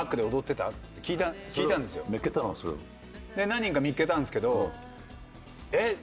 何人か見っけたんですけどえっ？